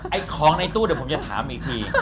ไอ้ของในตู้เดี๋ยวผมจะถามอีกที